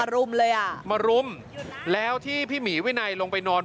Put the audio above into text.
รุมเลยอ่ะมารุมแล้วที่พี่หมีวินัยลงไปนอน